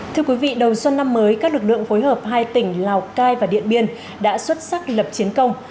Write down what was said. thưa quý vị đầu xuân năm mới các lực lượng phối hợp hai tỉnh lào cai và điện biên đã xuất sắc lập chiến công